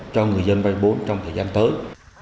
cho người dân vay vốn trong thời gian tới